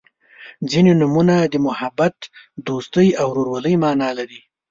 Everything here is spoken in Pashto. • ځینې نومونه د محبت، دوستۍ او ورورولۍ معنا لري.